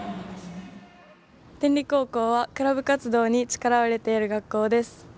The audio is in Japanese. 天理高校は、クラブ活動に力を入れている学校です。